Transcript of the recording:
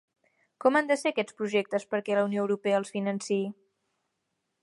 Com han de ser aquests projectes perquè la Unió Europea els financi?